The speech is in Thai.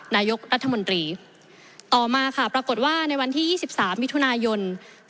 นายกรัฐมนตรีต่อมาค่ะปรากฏว่าในวันที่๒๓มิถุนายน